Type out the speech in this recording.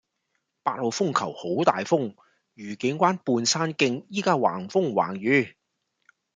八號風球好大風，愉景灣畔山徑依家橫風橫雨